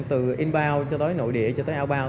từ inbound cho tới nội địa cho tới outbound